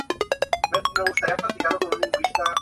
La cabecera del condado es Springfield.